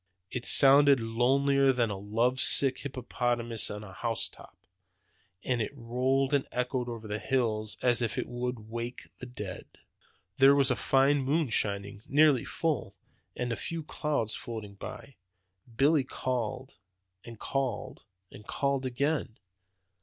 It sounded lonelier than a love sick hippopotamus on the house top. It rolled and echoed over the hills as if it would wake the dead. "There was a fine moon shining, nearly full, and a few clouds floating by. Billy called, and called, and called again.